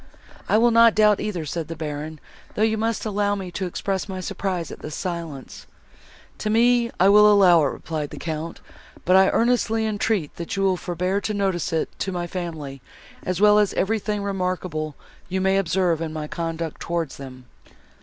"I will not doubt either," said the Baron, "though you must allow me to express my surprise, at this silence." "To me I will allow it," replied the Count, "but I earnestly entreat that you will forbear to notice it to my family, as well as everything remarkable you may observe in my conduct towards them."